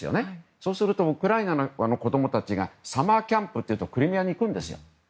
そうするとウクライナの子供たちがサマーキャンプっていうとクリミアに行くんですよ。